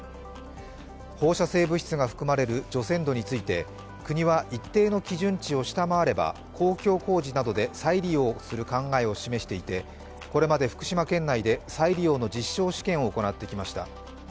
放射性物質が含まれる除染土について国は一定の基準値を下回れば公共工事などで再利用する考えを示していて、これまで福島県内で再利用の実証実験を行ってきました。